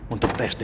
untuk tes dna